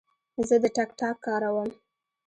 زه د ټک ټاک کاروم.